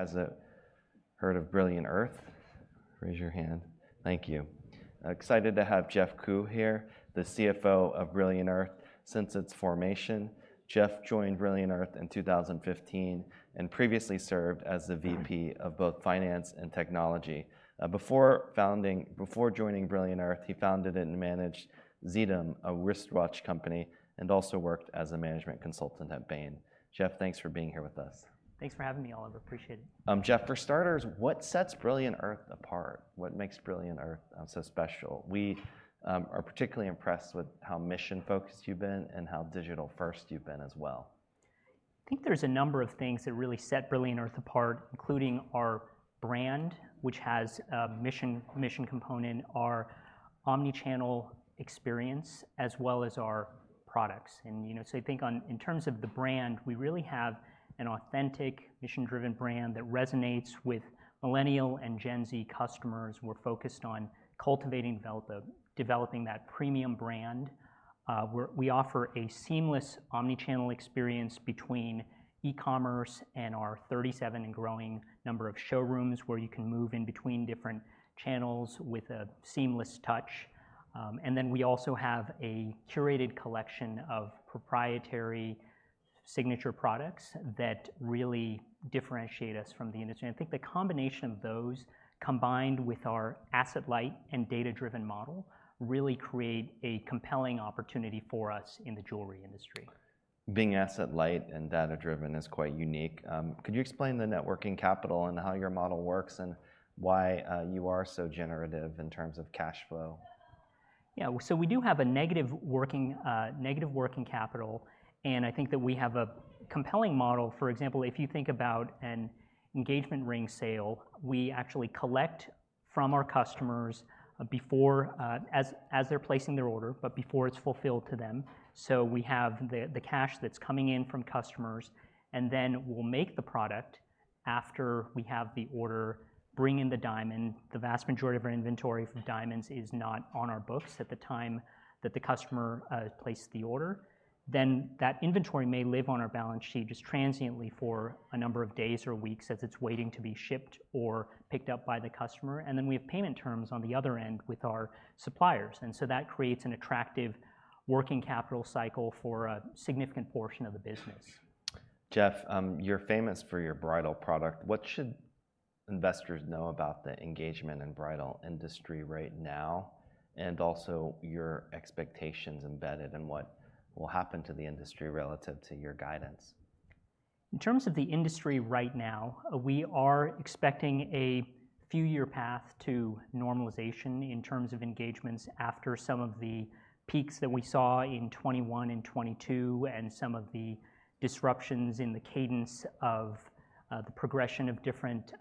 Has anyone heard of Brilliant Earth? Raise your hand. Thank you. I'm excited to have Jeff Kuo here, the CFO of Brilliant Earth since its formation. Jeff joined Brilliant Earth in 2015, and previously served as the VP of both finance and technology. Before joining Brilliant Earth, he founded and managed Xetum, a wristwatch company, and also worked as a management consultant at Bain. Jeff, thanks for being here with us. Thanks for having me, Oliver. Appreciate it. Jeff, for starters, what sets Brilliant Earth apart? What makes Brilliant Earth so special? We are particularly impressed with how mission-focused you've been and how digital-first you've been as well. I think there's a number of things that really set Brilliant Earth apart, including our brand, which has a mission component, our omni-channel experience, as well as our products. You know, so I think in terms of the brand, we really have an authentic, mission-driven brand that resonates with Millennial and Gen Z customers. We're focused on cultivating, developing that premium brand. We offer a seamless omni-channel experience between e-commerce and our 37 and growing number of showrooms, where you can move in between different channels with a seamless touch. And then we also have a curated collection of proprietary signature products that really differentiate us from the industry. And I think the combination of those, combined with our asset-light and data-driven model, really create a compelling opportunity for us in the jewelry industry. Being asset-light and data-driven is quite unique. Could you explain the working capital and how your model works, and why you are so generative in terms of cash flow? Yeah. So we do have a negative working capital, and I think that we have a compelling model. For example, if you think about an engagement ring sale, we actually collect from our customers before, as they're placing their order, but before it's fulfilled to them. So we have the cash that's coming in from customers, and then we'll make the product after we have the order, bring in the diamond. The vast majority of our inventory for diamonds is not on our books at the time that the customer places the order. Then, that inventory may live on our balance sheet, just transiently for a number of days or weeks, as it's waiting to be shipped or picked up by the customer, and then we have payment terms on the other end with our suppliers. That creates an attractive working capital cycle for a significant portion of the business. Jeff, you're famous for your bridal product. What should investors know about the engagement and bridal industry right now, and also your expectations embedded, and what will happen to the industry relative to your guidance? In terms of the industry right now, we are expecting a few-year path to normalization in terms of engagements, after some of the peaks that we saw in 2021 and 2022, and some of the disruptions in the cadence of the progression of different,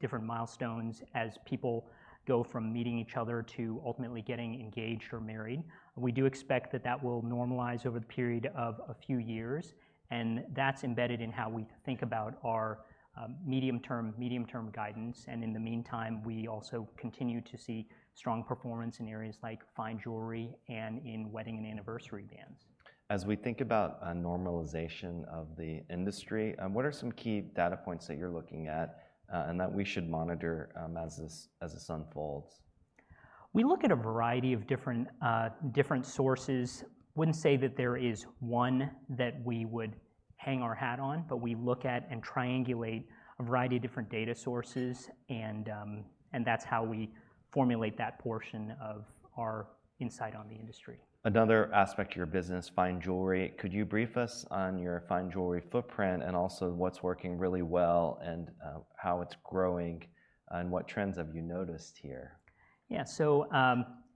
different milestones as people go from meeting each other to ultimately getting engaged or married. We do expect that that will normalize over the period of a few years, and that's embedded in how we think about our medium term, medium term guidance. And in the meantime, we also continue to see strong performance in areas like fine jewelry and in wedding and anniversary bands. As we think about a normalization of the industry, what are some key data points that you're looking at, and that we should monitor, as this unfolds? We look at a variety of different, different sources. Wouldn't say that there is one that we would hang our hat on, but we look at and triangulate a variety of different data sources, and, and that's how we formulate that portion of our insight on the industry. Another aspect of your business, fine jewelry. Could you brief us on your fine jewelry footprint, and also what's working really well, and, how it's growing, and what trends have you noticed here? Yeah. So,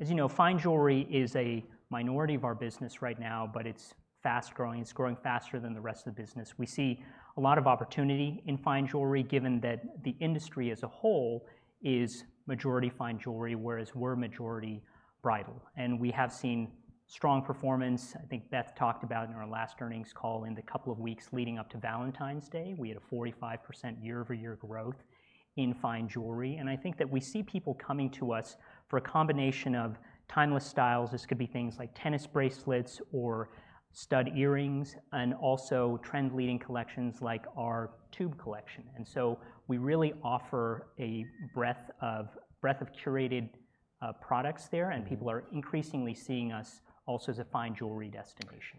as you know, fine jewelry is a minority of our business right now, but it's fast-growing. It's growing faster than the rest of the business. We see a lot of opportunity in fine jewelry, given that the industry as a whole is majority fine jewelry, whereas we're majority bridal. And we have seen strong performance, I think Beth talked about in our last earnings call, in the couple of weeks leading up to Valentine's Day, we had a 45% year-over-year growth in fine jewelry. And I think that we see people coming to us for a combination of timeless styles, this could be things like tennis bracelets or stud earrings, and also trend-leading collections, like our tube collection. And so we really offer a breadth of curated products there- Mm-hmm. People are increasingly seeing us also as a fine jewelry destination.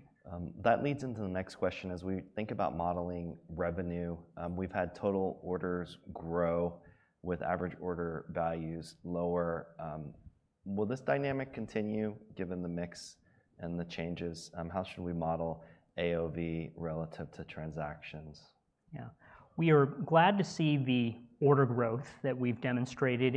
That leads into the next question. As we think about modeling revenue, we've had total orders grow, with average order values lower. Will this dynamic continue, given the mix and the changes? How should we model AOV relative to transactions? Yeah. We are glad to see the order growth that we've demonstrated,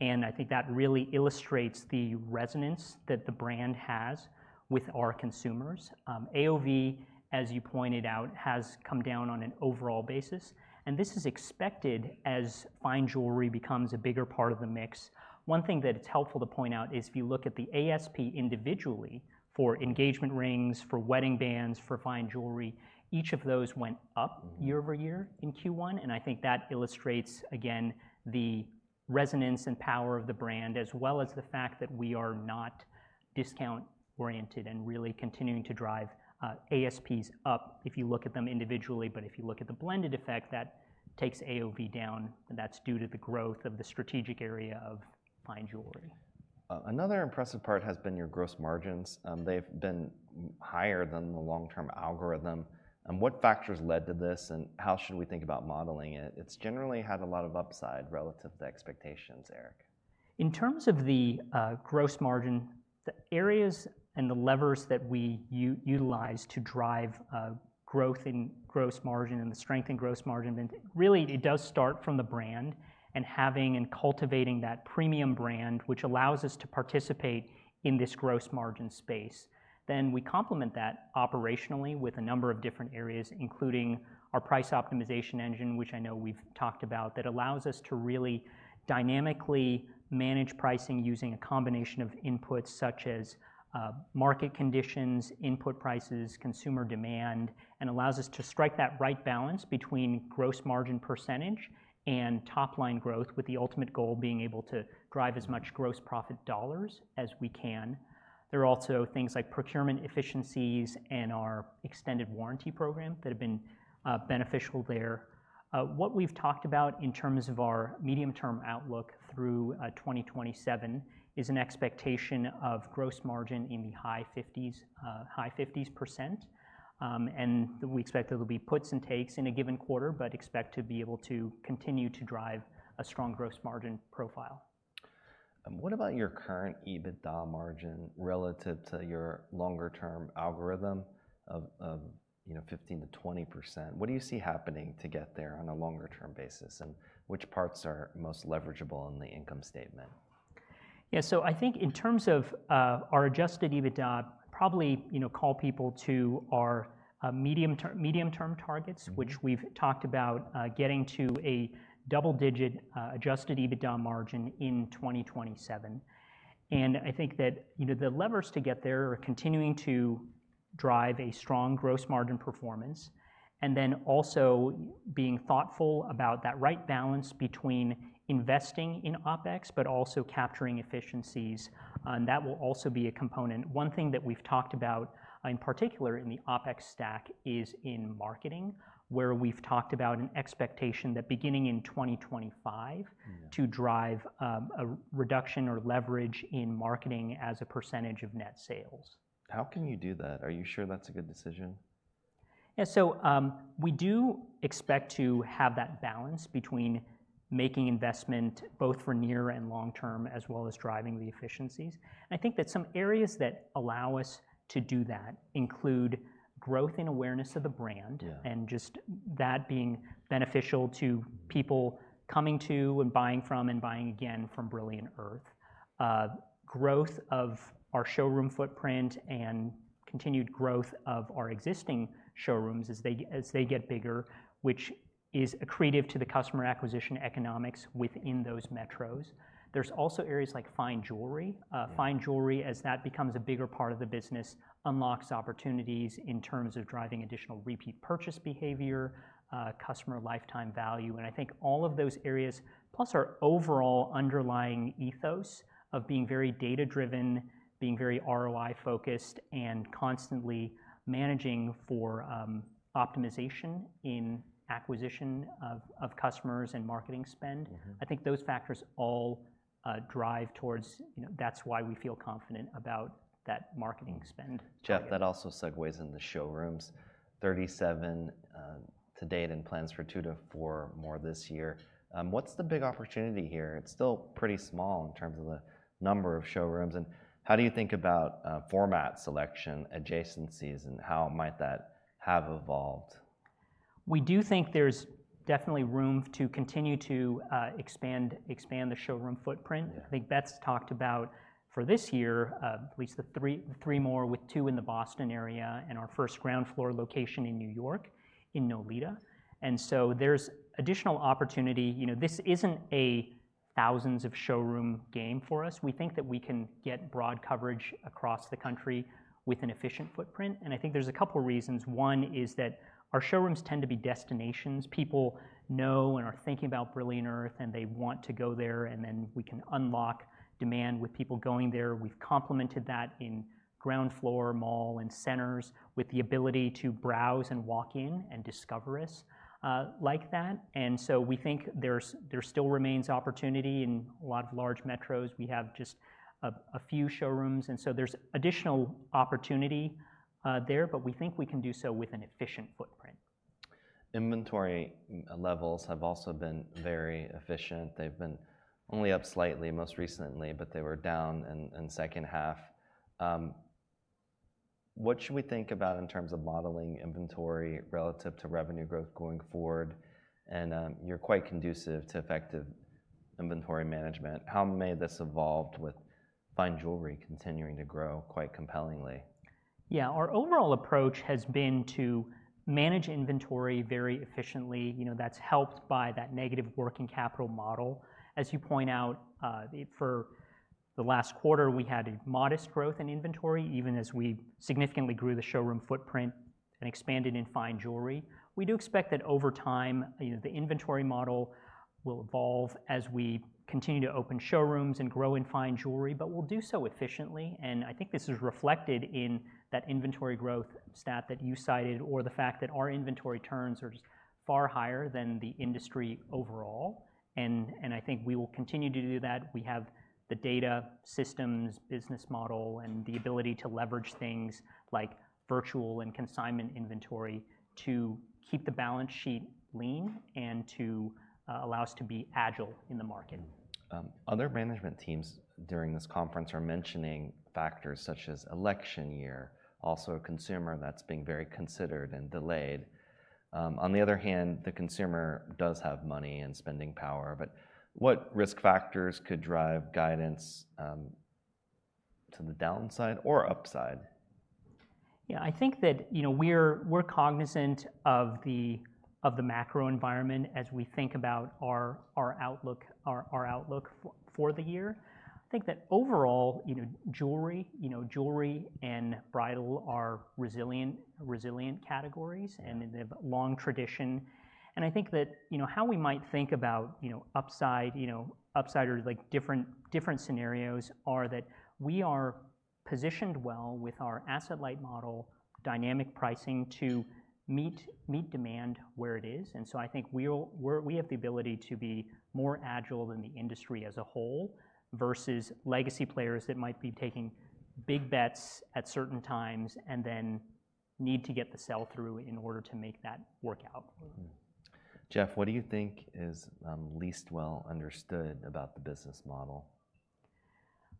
and I think that really illustrates the resonance that the brand has with our consumers. AOV, as you pointed out, has come down on an overall basis, and this is expected as fine jewelry becomes a bigger part of the mix. One thing that it's helpful to point out is, if you look at the ASP individually for engagement rings, for wedding bands, for fine jewelry, each of those went up- Mm... year-over-year in Q1, and I think that illustrates, again, the resonance and power of the brand, as well as the fact that we are not discount-oriented, and really continuing to drive, ASPs up, if you look at them individually. But if you look at the blended effect, that takes AOV down, and that's due to the growth of the strategic area of fine jewelry.... another impressive part has been your gross margin. They've been higher than the long-term algorithm. What factors led to this, and how should we think about modeling it? It's generally had a lot of upside relative to expectations there. In terms of the gross margin, the areas and the levers that we utilize to drive growth in gross margin and the strength in gross margin, and really, it does start from the brand, and having and cultivating that premium brand, which allows us to participate in this gross margin space. Then we complement that operationally with a number of different areas, including our price optimization engine, which I know we've talked about, that allows us to really dynamically manage pricing using a combination of inputs such as market conditions, input prices, consumer demand, and allows us to strike that right balance between gross margin percentage and top-line growth, with the ultimate goal being able to drive as much gross profit dollars as we can. There are also things like procurement efficiencies and our extended warranty program that have been beneficial there. What we've talked about in terms of our medium-term outlook through 2027 is an expectation of gross margin in the high 50s, high 50s%. And we expect there will be puts and takes in a given quarter, but expect to be able to continue to drive a strong gross margin profile. What about your current EBITDA margin relative to your longer-term algorithm of you know, 15%-20%? What do you see happening to get there on a longer-term basis, and which parts are most leverageable in the income statement? Yeah, so I think in terms of our Adjusted EBITDA, probably, you know, call people to our medium-term targets- Mm-hmm... which we've talked about, getting to a double-digit adjusted EBITDA margin in 2027. And I think that, you know, the levers to get there are continuing to drive a strong gross margin performance, and then also being thoughtful about that right balance between investing in OpEx, but also capturing efficiencies, and that will also be a component. One thing that we've talked about, in particular in the OpEx stack, is in marketing, where we've talked about an expectation that beginning in 2025- Yeah... to drive, a reduction or leverage in marketing as a percentage of net sales. How can you do that? Are you sure that's a good decision? Yeah, so, we do expect to have that balance between making investment, both for near and long term, as well as driving the efficiencies. I think that some areas that allow us to do that include growth in awareness of the brand- Yeah... and just that being beneficial to people coming to, and buying from, and buying again from Brilliant Earth. Growth of our showroom footprint and continued growth of our existing showrooms as they, as they get bigger, which is accretive to the customer acquisition economics within those metros. There's also areas like fine jewelry. Yeah. Fine Jewelry, as that becomes a bigger part of the business, unlocks opportunities in terms of driving additional repeat purchase behavior, customer lifetime value, and I think all of those areas, plus our overall underlying ethos of being very data-driven, being very ROI-focused, and constantly managing for, optimization in acquisition of customers and marketing spend- Mm-hmm... I think those factors all, drive towards, you know, that's why we feel confident about that marketing spend. Jeff, that also segues into showrooms. 37 to date, and plans for 2-4 more this year. What's the big opportunity here? It's still pretty small in terms of the number of showrooms, and how do you think about, format selection, adjacencies, and how might that have evolved? We do think there's definitely room to continue to expand the showroom footprint. Yeah. I think Beth's talked about, for this year, at least the three, three more, with two in the Boston area and our first ground floor location in New York, in Nolita. And so there's additional opportunity. You know, this isn't a thousands of showroom game for us. We think that we can get broad coverage across the country with an efficient footprint, and I think there's a couple reasons. One is that our showrooms tend to be destinations. People know and are thinking about Brilliant Earth, and they want to go there, and then we can unlock demand with people going there. We've complemented that in ground floor, mall, and centers, with the ability to browse and walk in and discover us, like that. And so we think there's, there still remains opportunity in a lot of large metros. We have just a few showrooms, and so there's additional opportunity there, but we think we can do so with an efficient footprint. Inventory levels have also been very efficient. They've been only up slightly, most recently, but they were down in second half. What should we think about in terms of modeling inventory relative to revenue growth going forward? And, you're quite conducive to effective inventory management. How may this evolve with fine jewelry continuing to grow quite compellingly? Yeah, our overall approach has been to manage inventory very efficiently. You know, that's helped by that negative working capital model. As you point out, for the last quarter, we had a modest growth in inventory, even as we significantly grew the showroom footprint and expanded in fine jewelry. We do expect that over time, you know, the inventory model will evolve as we continue to open showrooms and grow in fine jewelry, but we'll do so efficiently, and I think this is reflected in that inventory growth stat that you cited, or the fact that our inventory turns are just far higher than the industry overall, and I think we will continue to do that. We have the data, systems, business model, and the ability to leverage things like virtual and consignment inventory to keep the balance sheet lean and to allow us to be agile in the market. Other management teams during this conference are mentioning factors such as election year, also a consumer that's being very considered and delayed. On the other hand, the consumer does have money and spending power, but what risk factors could drive guidance to the downside or upside? Yeah, I think that, you know, we're cognizant of the macro environment as we think about our outlook for the year. I think that overall, you know, jewelry and bridal are resilient categories- Yeah... and they have a long tradition. And I think that, you know, how we might think about, you know, upside, you know, or, like, different scenarios, are that we are positioned well with our asset-light model, dynamic pricing to meet demand where it is. And so I think we have the ability to be more agile than the industry as a whole, versus legacy players that might be taking big bets at certain times and then need to get the sell-through in order to make that work out. Mm-hmm. Jeff, what do you think is least well understood about the business model?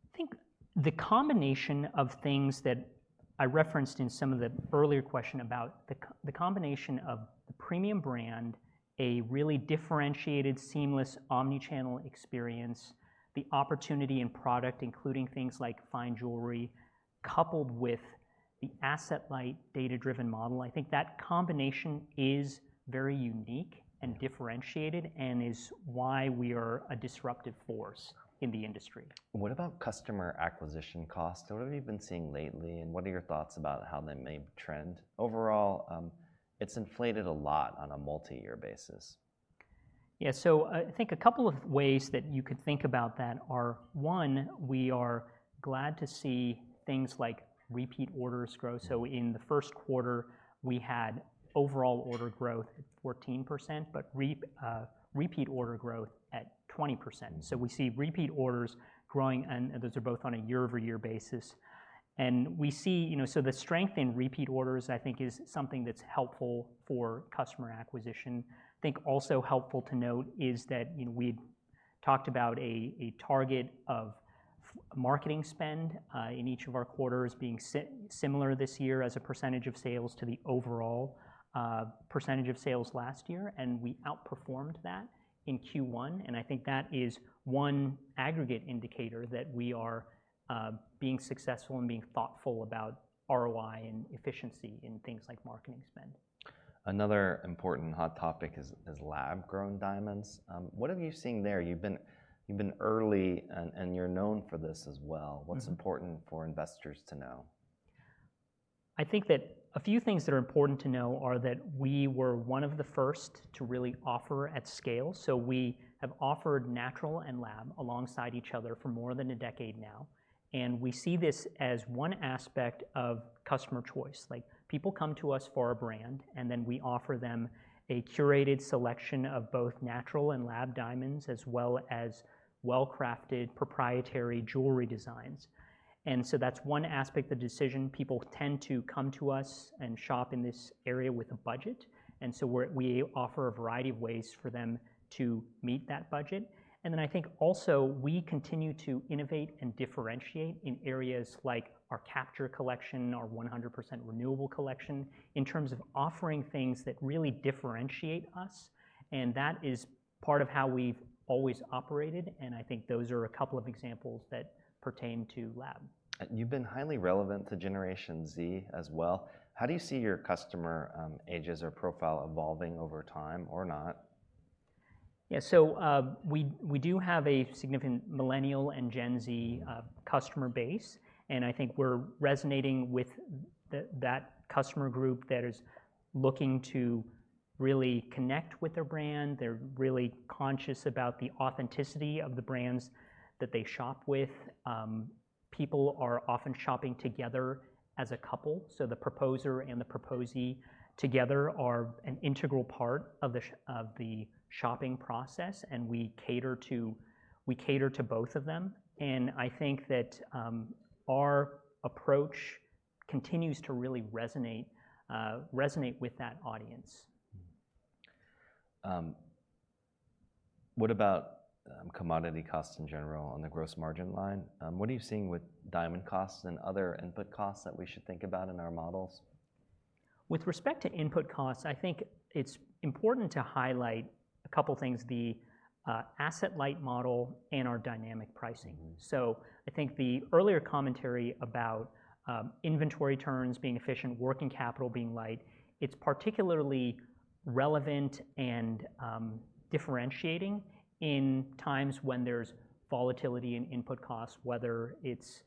I think the combination of things that I referenced in some of the earlier question about the combination of the premium brand, a really differentiated, seamless, omni-channel experience, the opportunity and product, including things like fine jewelry, coupled with the asset-light, data-driven model, I think that combination is very unique. Yeah... and differentiated, and is why we are a disruptive force in the industry. What about customer acquisition costs? What have you been seeing lately, and what are your thoughts about how they may trend? Overall, it's inflated a lot on a multi-year basis. Yeah, so, I think a couple of ways that you could think about that are, one, we are glad to see things like repeat orders grow. So in the first quarter, we had overall order growth 14%, but repeat order growth at 20%. Mm. So we see repeat orders growing, and those are both on a year-over-year basis. We see... You know, so the strength in repeat orders, I think, is something that's helpful for customer acquisition. I think also helpful to note is that, you know, we'd talked about a target of marketing spend in each of our quarters being similar this year as a percentage of sales to the overall percentage of sales last year, and we outperformed that in Q1. I think that is one aggregate indicator that we are being successful and being thoughtful about ROI and efficiency in things like marketing spend. Another important hot topic is, is lab-grown diamonds. What have you seen there? You've been early, and you're known for this as well. Mm-hmm. What's important for investors to know? I think that a few things that are important to know are that we were one of the first to really offer at scale. So we have offered natural and lab alongside each other for more than a decade now, and we see this as one aspect of customer choice. Like, people come to us for a brand, and then we offer them a curated selection of both natural and lab diamonds, as well as well-crafted proprietary jewelry designs. And so that's one aspect of the decision. People tend to come to us and shop in this area with a budget, and so we offer a variety of ways for them to meet that budget. And then I think also, we continue to innovate and differentiate in areas like our Capture Collection, our 100% renewable collection, in terms of offering things that really differentiate us, and that is part of how we've always operated, and I think those are a couple of examples that pertain to lab. You've been highly relevant to Generation Z as well. How do you see your customer, ages or profile evolving over time or not? Yeah, so, we, we do have a significant Millennial and Gen Z customer base, and I think we're resonating with that customer group that is looking to really connect with their brand. They're really conscious about the authenticity of the brands that they shop with. People are often shopping together as a couple, so the proposer and the proposee together are an integral part of the shopping process, and we cater to, we cater to both of them. And I think that, our approach continues to really resonate, resonate with that audience. What about commodity costs in general on the gross margin line? What are you seeing with diamond costs and other input costs that we should think about in our models? With respect to input costs, I think it's important to highlight a couple things, the asset-light model and our dynamic pricing. Mm. So I think the earlier commentary about inventory turns being efficient, working capital being light, it's particularly relevant and differentiating in times when there's volatility in input costs, whether it's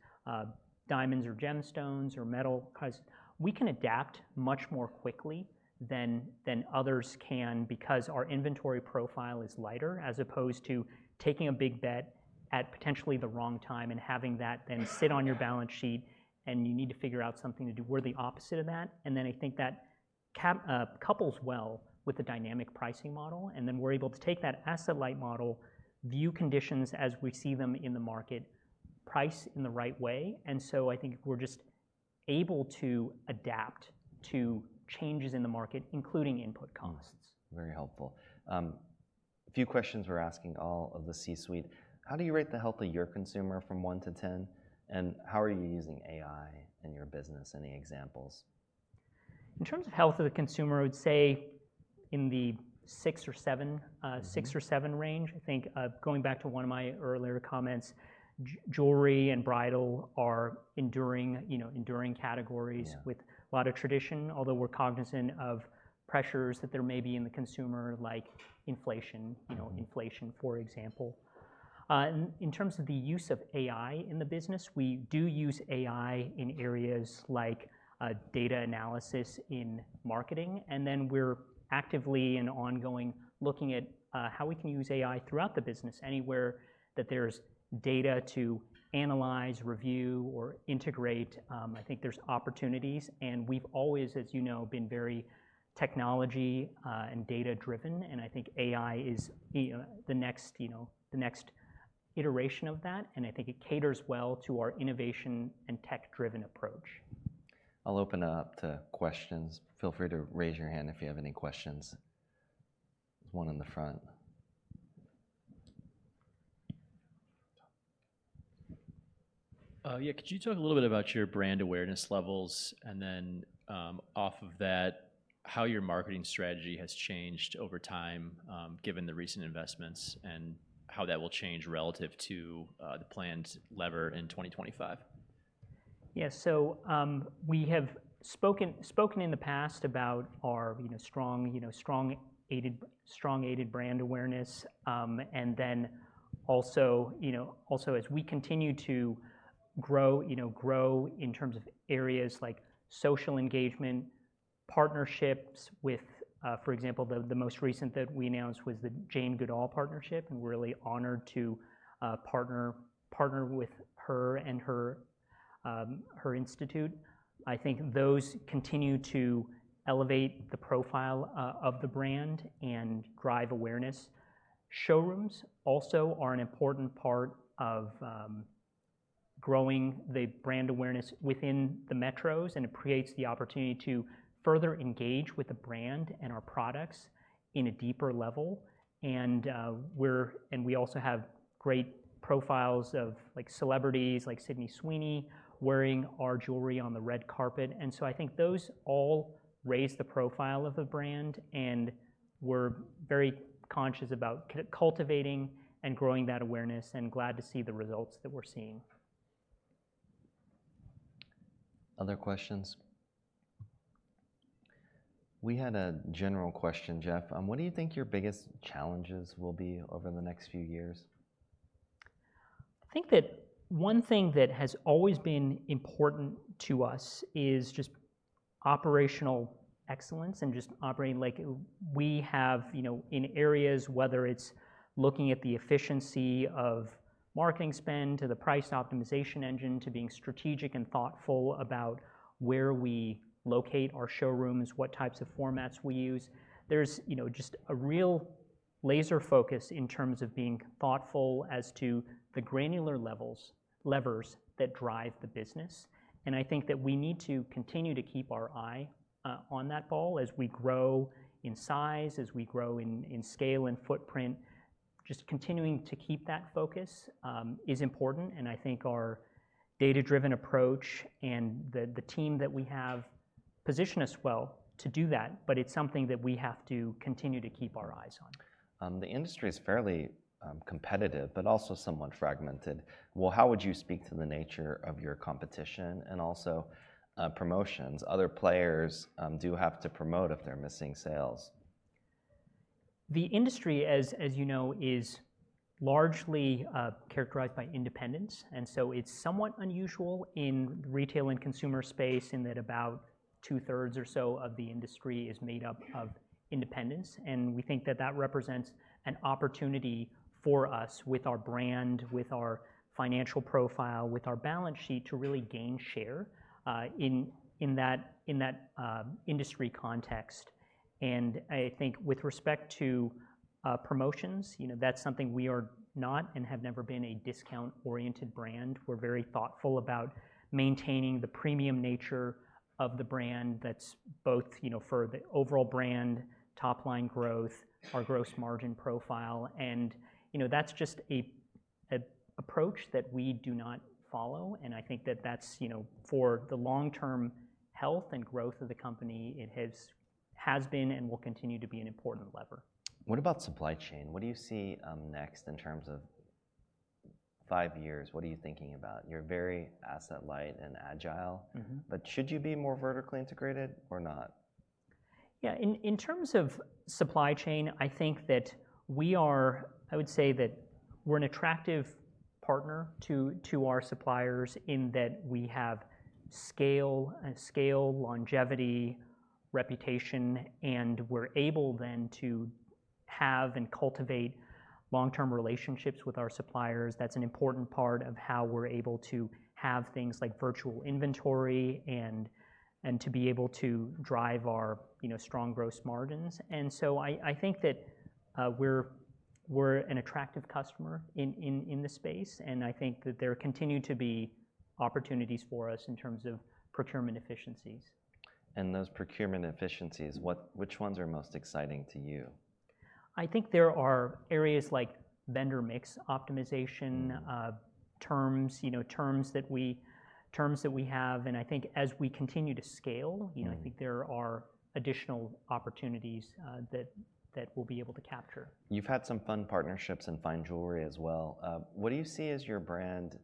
diamonds or gemstones or metal, 'cause we can adapt much more quickly than others can because our inventory profile is lighter, as opposed to taking a big bet at potentially the wrong time and having that then sit on your balance sheet, and you need to figure out something to do. We're the opposite of that, and then I think that couples well with the dynamic pricing model. And then we're able to take that asset-light model, view conditions as we see them in the market price in the right way, and so I think if we're just able to adapt to changes in the market, including input costs. Very helpful. A few questions we're asking all of the C-suite: How do you rate the health of your consumer from one to ten? And how are you using AI in your business? Any examples? In terms of health of the consumer, I would say in the six or seven. Mm-hmm... 6 or 7 range. I think, going back to one of my earlier comments, jewelry and bridal are enduring, you know, enduring categories- Yeah... with a lot of tradition, although we're cognizant of pressures that there may be in the consumer, like inflation- Mm-hmm... you know, inflation, for example. And in terms of the use of AI in the business, we do use AI in areas like data analysis in marketing, and then we're actively and ongoing looking at how we can use AI throughout the business. Anywhere that there's data to analyze, review, or integrate, I think there's opportunities, and we've always, as you know, been very technology and data driven, and I think AI is the next, you know, the next iteration of that, and I think it caters well to our innovation and tech-driven approach. I'll open it up to questions. Feel free to raise your hand if you have any questions. There's one in the front. Yeah, could you talk a little bit about your brand awareness levels, and then, off of that, how your marketing strategy has changed over time, given the recent investments, and how that will change relative to the planned lever in 2025? Yeah. So, we have spoken in the past about our, you know, strong, you know, strong unaided brand awareness, and then also, you know, as we continue to grow in terms of areas like social engagement, partnerships with... For example, the most recent that we announced was the Jane Goodall partnership, and we're really honored to partner with her and her institute. I think those continue to elevate the profile of the brand and drive awareness. Showrooms also are an important part of growing the brand awareness within the metros, and it creates the opportunity to further engage with the brand and our products in a deeper level. And we also have great profiles of, like, celebrities, like Sydney Sweeney, wearing our jewelry on the red carpet, and so I think those all raise the profile of the brand, and we're very conscious about cultivating and growing that awareness, and glad to see the results that we're seeing. Other questions? We had a general question, Jeff. What do you think your biggest challenges will be over the next few years? I think that one thing that has always been important to us is just operational excellence and just operating like we have, you know, in areas, whether it's looking at the efficiency of marketing spend, to the price optimization engine, to being strategic and thoughtful about where we locate our showrooms, what types of formats we use, there's, you know, just a real laser focus in terms of being thoughtful as to the granular levels, levers that drive the business. And I think that we need to continue to keep our eye on that ball as we grow in size, as we grow in scale and footprint. Just continuing to keep that focus is important, and I think our data-driven approach and the team that we have position us well to do that, but it's something that we have to continue to keep our eyes on. The industry is fairly competitive, but also somewhat fragmented. Well, how would you speak to the nature of your competition and also promotions? Other players do have to promote if they're missing sales. The industry, as you know, is largely characterized by independence, and so it's somewhat unusual in retail and consumer space in that about two-thirds or so of the industry is made up of independents. And we think that that represents an opportunity for us with our brand, with our financial profile, with our balance sheet, to really gain share in that industry context. And I think with respect to promotions, you know, that's something we are not and have never been a discount-oriented brand. We're very thoughtful about maintaining the premium nature of the brand that's both, you know, for the overall brand top-line growth, our gross margin profile, and, you know, that's just an approach that we do not follow. I think that that's, you know, for the long-term health and growth of the company, it has been and will continue to be an important lever. What about supply chain? What do you see, next in terms of five years? What are you thinking about? You're very asset-light and agile. Mm-hmm. But should you be more vertically integrated or not? Yeah, in terms of supply chain, I think that we are. I would say that we're an attractive partner to our suppliers in that we have scale, scale, longevity, reputation, and we're able then to have and cultivate long-term relationships with our suppliers. That's an important part of how we're able to have things like virtual inventory and to be able to drive our, you know, strong gross margins. And so I think that we're an attractive customer in the space, and I think that there continue to be opportunities for us in terms of procurement efficiencies. Those procurement efficiencies, which ones are most exciting to you? I think there are areas like vendor mix optimization- Mm. terms, you know, terms that we have. I think as we continue to scale- Mm. You know, I think there are additional opportunities that we'll be able to capture. You've had some fun partnerships in fine jewelry as well. What do you see as your brand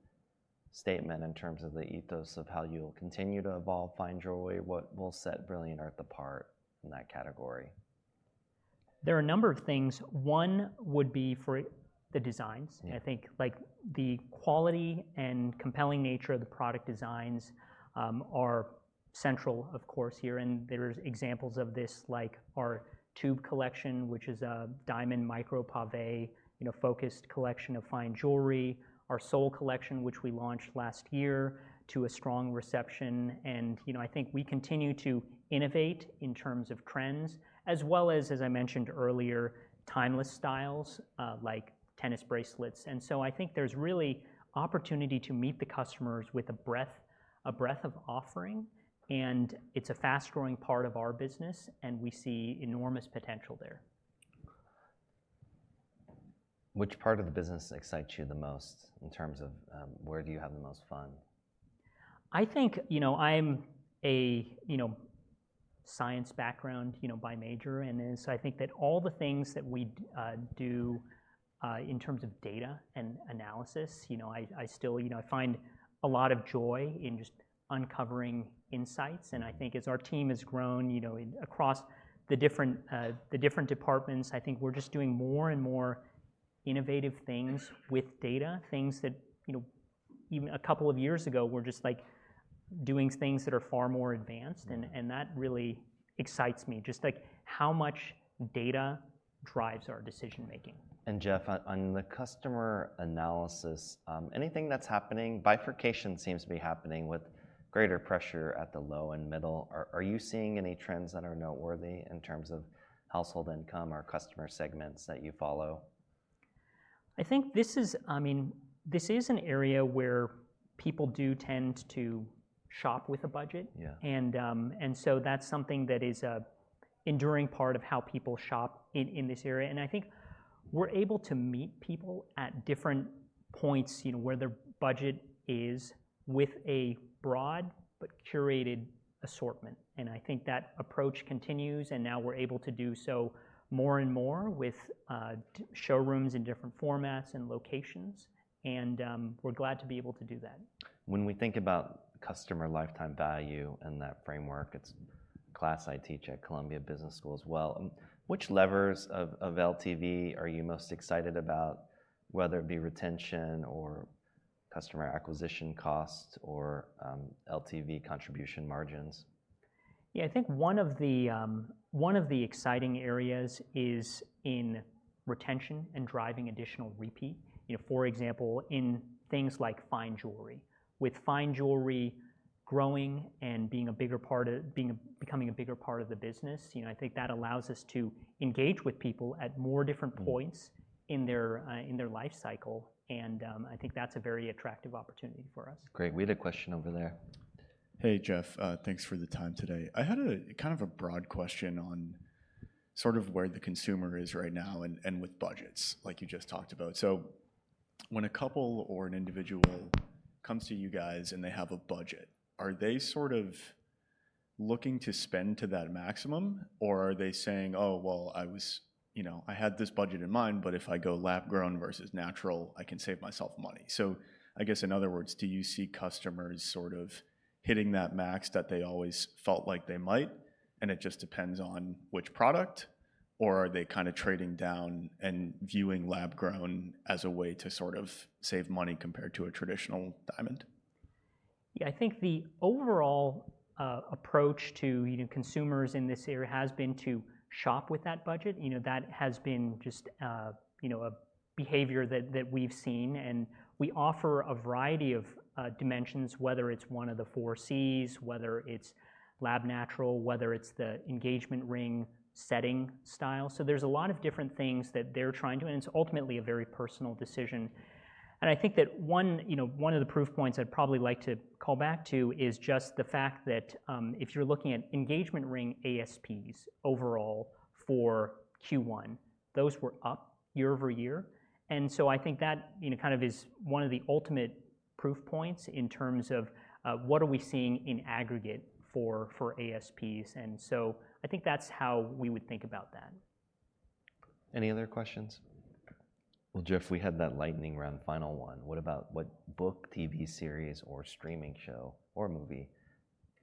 statement in terms of the ethos of how you'll continue to evolve fine jewelry? What will set Brilliant Earth apart in that category? There are a number of things. One would be for the designs. Yeah. I think, like, the quality and compelling nature of the product designs are central, of course, here. There's examples of this, like our tube collection, which is a diamond micro pavé, you know, focused collection of fine jewelry. Our Sol Collection, which we launched last year to a strong reception. You know, I think we continue to innovate in terms of trends, as well as, as I mentioned earlier, timeless styles, like tennis bracelets. So, I think there's really opportunity to meet the customers with a breadth, a breadth of offering, and it's a fast-growing part of our business, and we see enormous potential there. Which part of the business excites you the most in terms of, where do you have the most fun? I think, you know, I'm a science background, you know, by major, and so I think that all the things that we do in terms of data and analysis, you know, I still, you know, I find a lot of joy in just uncovering insights. Mm. I think as our team has grown, you know, across the different, the different departments, I think we're just doing more and more innovative things with data. Things that, you know, even a couple of years ago, we're just, like, doing things that are far more advanced. And that really excites me, just, like, how much data drives our decision-making. And Jeff, on the customer analysis, anything that's happening, bifurcation seems to be happening with greater pressure at the low and middle. Are you seeing any trends that are noteworthy in terms of household income or customer segments that you follow? I think this is... I mean, this is an area where people do tend to shop with a budget. Yeah. And, and so that's something that is an enduring part of how people shop in this area. And I think we're able to meet people at different points, you know, where their budget is, with a broad but curated assortment, and I think that approach continues, and now we're able to do so more and more with showrooms in different formats and locations. And, we're glad to be able to do that. When we think about customer lifetime value and that framework, it's a class I teach at Columbia Business School as well. Which levers of LTV are you most excited about, whether it be retention or customer acquisition costs or LTV contribution margins? Yeah, I think one of the exciting areas is in retention and driving additional repeat, you know, for example, in things like fine jewelry. With fine jewelry growing and becoming a bigger part of the business, you know, I think that allows us to engage with people at more different points- Mm... in their life cycle, and I think that's a very attractive opportunity for us. Great. We had a question over there. Hey, Jeff, thanks for the time today. I had a, kind of a broad question on sort of where the consumer is right now and, and with budgets, like you just talked about. So when a couple or an individual comes to you guys and they have a budget, are they sort of looking to spend to that maximum, or are they saying, "Oh, well, I was... You know, I had this budget in mind, but if I go lab-grown versus natural, I can save myself money"? So I guess, in other words, do you see customers sort of hitting that max that they always felt like they might, and it just depends on which product, or are they kind of trading down and viewing lab-grown as a way to sort of save money compared to a traditional diamond? Yeah, I think the overall approach to, you know, consumers in this area has been to shop with that budget. You know, that has been just, you know, a behavior that, that we've seen. And we offer a variety of dimensions, whether it's one of the Four Cs, whether it's lab natural, whether it's the engagement ring setting style. So there's a lot of different things that they're trying to do, and it's ultimately a very personal decision. And I think that one, you know, one of the proof points I'd probably like to call back to is just the fact that, if you're looking at engagement ring ASPs overall for Q1, those were up year-over-year. I think that, you know, kind of is one of the ultimate proof points in terms of what are we seeing in aggregate for ASPs, and so I think that's how we would think about that. Any other questions? Well, Jeff, we had that lightning round, final one. What about what book, TV series, or streaming show or movie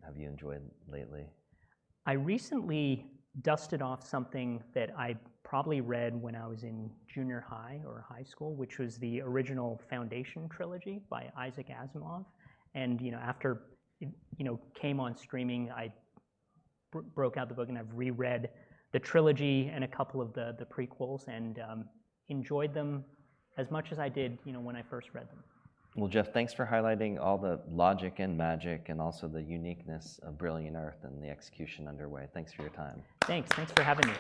have you enjoyed lately? I recently dusted off something that I probably read when I was in junior high or high school, which was the original Foundation trilogy by Isaac Asimov. You know, after it, you know, came on streaming, I broke out the book, and I've reread the trilogy and a couple of the prequels and enjoyed them as much as I did, you know, when I first read them. Well, Jeff, thanks for highlighting all the logic and magic and also the uniqueness of Brilliant Earth and the execution underway. Thanks for your time. Thanks. Thanks for having me.